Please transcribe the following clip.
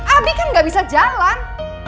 abi kan gak bisa jalan